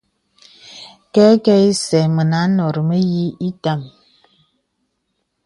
Kɛkɛ̄ isɛ̂ mə anɔ̀rì mə̀yìì ìtām.